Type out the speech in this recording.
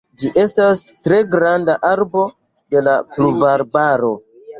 Ĝi estas tre granda arbo de la pluvarbaro.